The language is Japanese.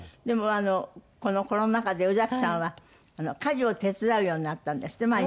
でもこのコロナ禍で宇崎さんは家事を手伝うようになったんですって？